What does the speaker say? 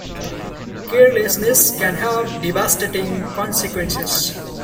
Carelessness can have devastating consequences.